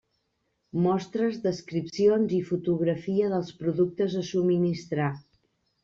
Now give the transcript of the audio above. Mostres, descripcions i fotografia dels productes a subministrar.